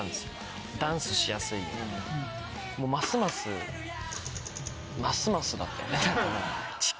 もうますますますますだったよね。